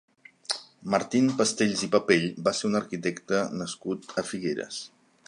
Martín Pastells i Papell va ser un arquitecte nascut a Figueres.